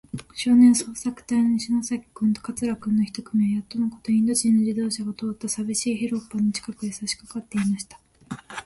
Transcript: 少年捜索隊そうさくたいの篠崎君と桂君の一組は、やっとのこと、インド人の自動車が通ったさびしい広っぱの近くへ、さしかかっていました。